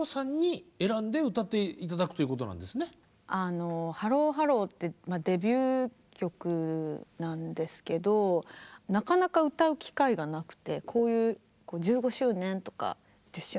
あの「ハロー・ハロー」ってデビュー曲なんですけどなかなか歌う機会がなくて。